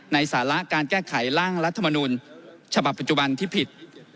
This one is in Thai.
สาระการแก้ไขร่างรัฐมนุนฉบับปัจจุบันที่ผิด